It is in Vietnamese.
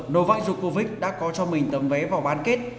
novak djokovic đã có cho mình tấm vé vào bán kết